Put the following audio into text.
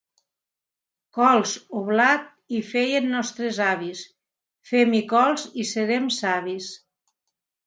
Cols o blat hi feien nostres avis, fem-hi cols i serem savis.